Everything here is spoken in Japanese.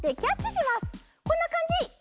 こんなかんじ。